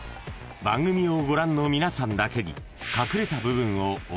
［番組をご覧の皆さんだけに隠れた部分をお見せします］